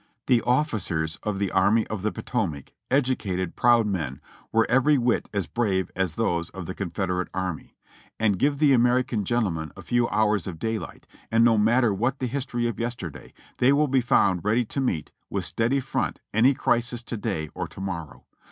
The officers of the Army of the Potomac, edu cated, proud men, were every whit as brave as those of the Con federate Army; and give the American gentleman a few hours of daylight, and no matter what the history of yesterday, they will be found ready to meet, with steady front, any crisis to day or to morrow.